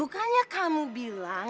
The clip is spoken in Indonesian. bukannya kamu bilang